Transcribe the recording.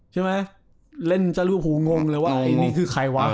ใช่ไหมเล่นจะรูปหูงงเลยว่าไอ้นี่คือใครวะ